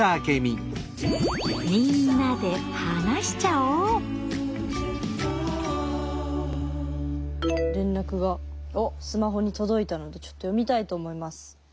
みんなで連絡がスマホに届いたのでちょっと読みたいと思います。